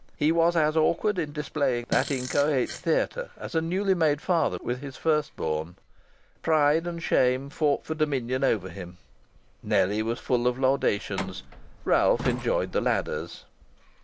He was as awkward in displaying that inchoate theatre as a newly made father with his first born. Pride and shame fought for dominion over him. Nellie was full of laudations. Ralph enjoyed the ladders.